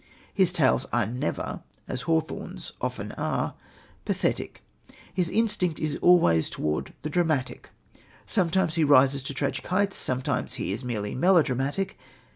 His tales are never, as Hawthorne's often are, pathetic. His instinct is always towards the dramatic. Sometimes he rises to tragic heights, sometimes he is merely melodramatic.